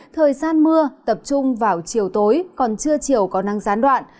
thời gian mưa tập trung vào chiều tối còn trưa chiều có năng gián đoạn